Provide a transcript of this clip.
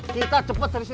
kita cepet serisi taklim